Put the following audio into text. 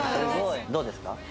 どうですか？